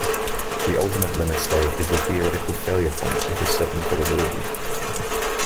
The ultimate limit state is the theoretical failure point with a certain probability.